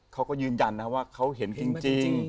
เขาก็ยืนยันนะว่าเขาเห็นจริง